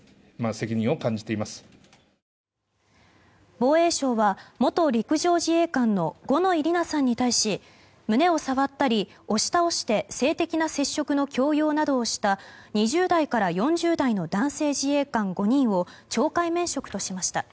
防衛省は元陸上自衛官の五ノ井里奈さんに対し胸を触ったり押し倒して性的な接触の強要などをした２０代から４０代の男性自衛官５人を懲戒免職としました。